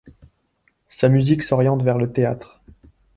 Sa musique s'oriente vers le théâtre.